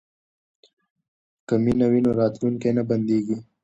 که مینه وي نو راتلونکی نه بندیږي.